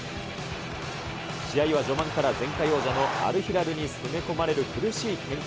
試合は序盤から前回王者のアルヒラルに攻め込まれる苦しい展開。